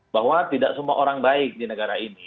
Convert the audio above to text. bahwa tidak semua orang baik di negara ini